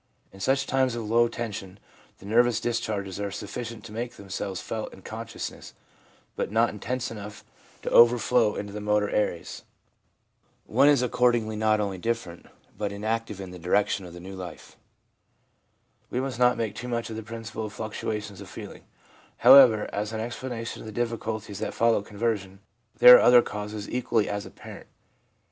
In such times of low tension the nervous discharges are sufficient to make themselves felt in consciousness, but not intense enough to overflow into the motor areas. One is accord LINE OF GROWTH FOLLOWING CONVERSION 361 ingly not only indifferent, but inactive in the direction of the new life. We must not make too much of the principle of fluctuations of feeling, however, as an explanation of the difficulties that follow conversion; there are other causes equally as apparent.